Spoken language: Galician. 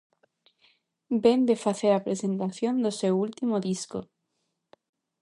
Vén de facer a presentación do seu último disco.